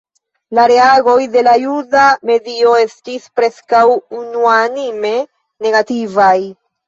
La reagoj de la juda medio estis preskaŭ unuanime negativaj.